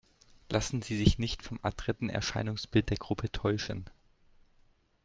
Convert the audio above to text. Lassen Sie sich nicht vom adretten Erscheinungsbild der Gruppe täuschen!